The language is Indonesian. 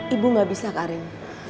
ibu gak bisa karin